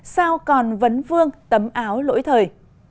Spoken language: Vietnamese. sao còn vấn vương tấm áo lỗi thời